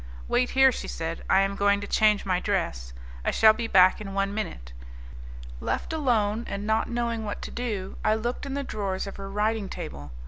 "Wait here," she said, "I am going to change my dress. I shall be back in one minute." Left alone, and not knowing what to do, I looked in the drawers of her writing table.